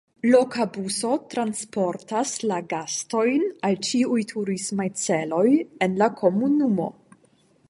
Loka buso transportas la gastojn al ĉiuj turismaj celoj en la komunumo.